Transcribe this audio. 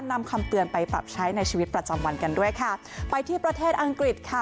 นำคำเตือนไปปรับใช้ในชีวิตประจำวันกันด้วยค่ะไปที่ประเทศอังกฤษค่ะ